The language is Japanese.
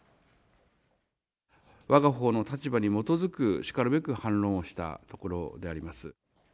わが方の立場に基づく、しかるべく反論をしたところであります。